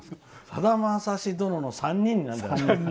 「さだまさし殿の３人」になるね。